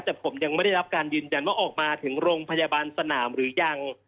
แต่ผมยังไม่ได้รับการยืนยันว่าออกมาถึงโรงพยาบาลสนามหรือยัง